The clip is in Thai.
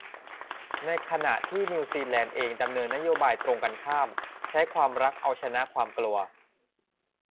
ในขณะที่นิวซีแลนด์เองดำเนินนโยบายตรงกันข้าม ใช้ความรักเอาชนะความกลัว